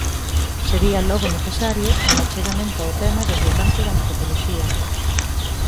Sería logo necesario un achegamento ao tema desde o campo da antropoloxía.